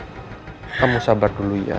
kamu sabar dulu ya